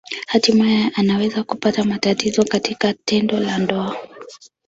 Hatimaye anaweza kupata matatizo katika tendo la ndoa.